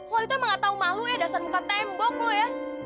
oh itu emang gak tau malu ya dasar muka tembok bu ya